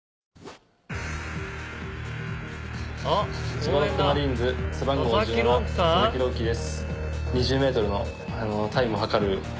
千葉ロッテマリーンズ背番号１７、佐々木朗希です。